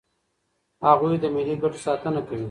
هغوی د ملي ګټو ساتنه کوي.